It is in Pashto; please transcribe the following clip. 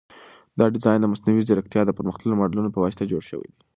دا ډیزاین د مصنوعي ځیرکتیا د پرمختللو ماډلونو په واسطه جوړ شوی دی.